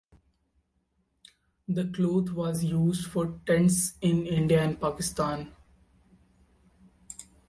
The cloth was used for tents in India and Pakistan.